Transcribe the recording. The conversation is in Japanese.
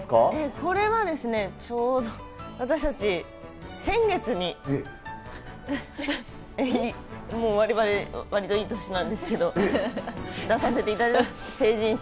これはですね、ちょうど私たち、先月にもうわれわれ、わりといい年なんですけれども、出させていただきました、成人式。